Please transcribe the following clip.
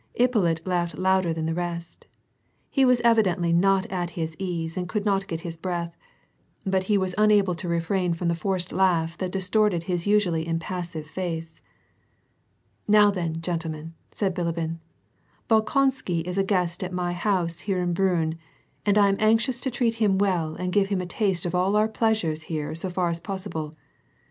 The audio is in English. Ippolit laughed louder than the rest. He was evidently not at his ease and could not get his breath, but he was unable to refrain from the forced laugh that distorted his usually impassive face. " Now then, gentlemen," said Bilibin, *• Bolkonsky is a guest at my house here in Briinn, and I am anxious to treat him well and give liim a taste of all of our pleasures here so far as pos sible.